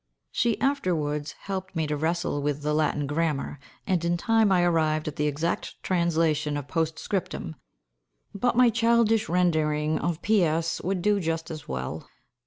She afterwards helped me to wrestle with the Latin grammar, and in time I arrived at the exact translation of post scriptum, but my childish rendering of P.S. would do just as well.